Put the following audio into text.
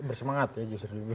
bersemangat ya justru